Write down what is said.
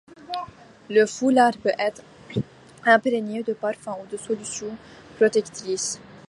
Le foulard peut être imprégné de parfum ou de solution protectrice.